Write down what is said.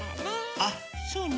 あっそうね。